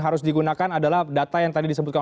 harus digunakan adalah data yang tadi disebutkan